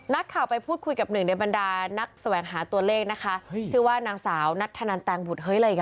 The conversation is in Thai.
นักข่าวไปพูดคุยกับหนึ่งในบรรดานักแสวงหาตัวเลขนะคะชื่อว่านางสาวนัทธนันแตงบุตรเฮ้ยเลยค่ะ